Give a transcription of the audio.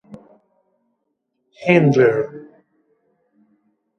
handler